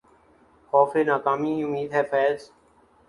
خوف ناکامئ امید ہے فیضؔ